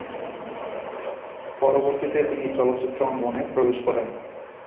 পরবর্তীতে তিনি চলচ্চিত্র অঙ্গনে প্রবেশ করেন।